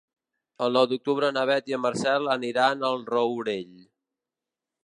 El nou d'octubre na Beth i en Marcel aniran al Rourell.